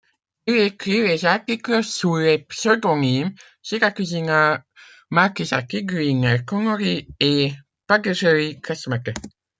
Il écrit les articles sous les pseudonymes Sirakūzinas, Markizas Tigrui Nėrkonori et Padegėlis Kasmatė.